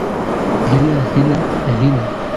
هيله هيله هيله